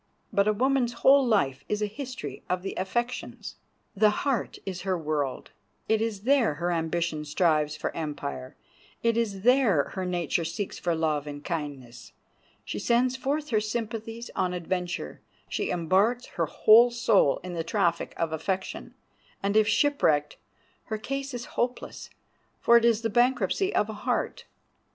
But a woman's whole life is a history of the affections. The heart is her world; it is there her ambition strives for empire; it is there her nature seeks for love and kindness. She sends forth her sympathies on adventure; she embarks her whole soul in the traffic of affection, and if shipwrecked her case is hopeless, for it is the bankruptcy of a heart.